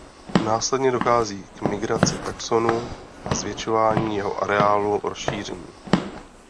Následně dochází k migraci taxonu a zvětšování jeho areálu rozšíření.